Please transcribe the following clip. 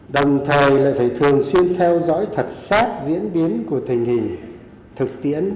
đồng thời là phải thường xuyên theo dõi thật sát diễn biến của tình hình thực tiễn